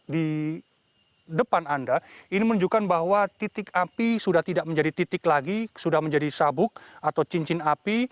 di depan anda ini menunjukkan bahwa titik api sudah tidak menjadi titik lagi sudah menjadi sabuk atau cincin api